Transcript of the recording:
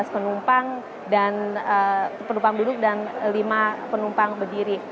sembilan belas penumpang duduk dan lima penumpang berdiri